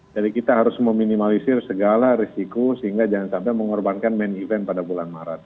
jadi kita harus meminimalisir segala risiko sehingga jangan sampai mengorbankan main event pada bulan maret